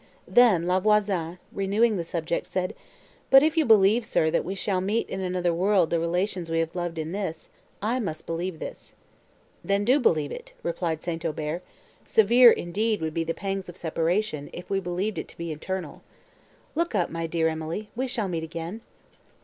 Then, La Voisin, renewing the subject, said, "But you believe, sir, that we shall meet in another world the relations we have loved in this; I must believe this." "Then do believe it," replied St. Aubert, "severe, indeed, would be the pangs of separation, if we believed it to be eternal. Look up, my dear Emily, we shall meet again!"